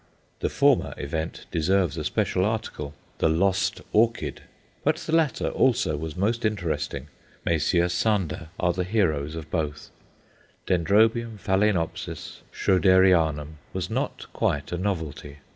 The former event deserves a special article, "The Lost Orchid;" but the latter also was most interesting. Messrs. Sander are the heroes of both. Dendrobium ph. Schroederianum was not quite a novelty.